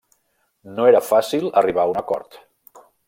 No era fàcil arribar a un acord.